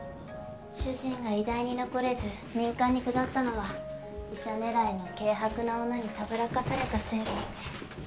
主人が医大に残れず民間に下ったのは医者狙いの軽薄な女にたぶらかされたせいだって。